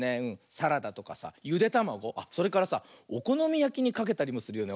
サラダとかさゆでたまごあっそれからさおこのみやきにかけたりもするよね。